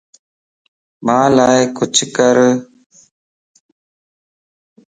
مان لا ڪچهه ڪر